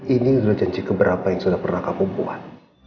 ini adalah janji keberapa yang sudah pernah kamu buat